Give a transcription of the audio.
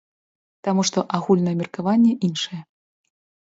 Таму што агульнае меркаванне іншае.